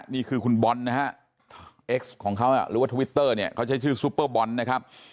นี่คือคุณบอนด์นะครับเอ็กซของเขาละหรือว่าทวิลเตอร์เนี่ยเขาจะชื่อซูเปอร์บอนด์นะครับ